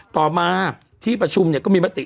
ต่อมาที่ประชุมเนี่ยก็มีมติ